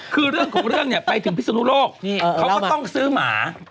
คือเรื่องของเรื่องเนี่ยไปถึงพิศนุโลกเขาก็ต้องซื้อหมา